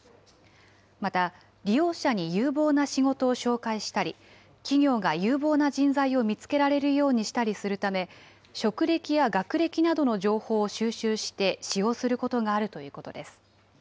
また、利用者に有望な仕事を紹介したり、企業が有望な人材を見つけられるようにしたりするため、職歴や学歴などの情報を収集して使用することがあるということです。